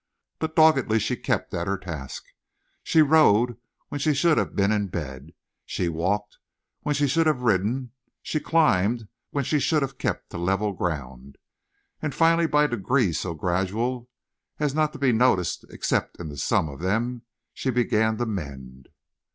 But doggedly she kept at her task. She rode when she should have been in bed; she walked when she should have ridden; she climbed when she should have kept to level ground. And finally by degrees so gradual as not to be noticed except in the sum of them she began to mend.